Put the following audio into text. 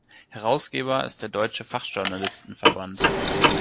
Herausgeber ist der Deutsche Fachjournalisten-Verband.